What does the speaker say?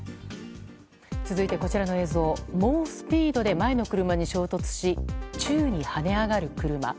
続いてこちらの映像猛スピードで前の車に衝突し、宙に跳ね上がる車。